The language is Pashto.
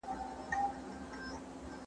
د درملو نیمګړې پریښودل تاوان لري.